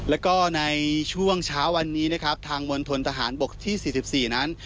แล้วก็ในช่วงเช้าวันนี้นะครับทางมณฑนทหารบกที่๔๔นั้น